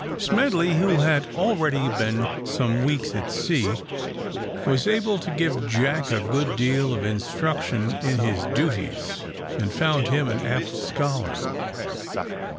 Smedley, who had already been some weeks at sea, was able to give Jack a good deal of instruction in his duties, and found him an apt scholar.